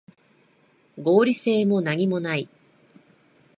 合理性もなにもない